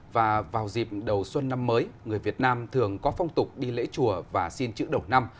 và vào dịp đầu xuân năm mới người việt nam thường có phong tục đi lễ chùa và xin chữ đầu năm